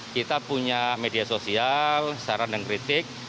kita punya media sosial saran dan kritik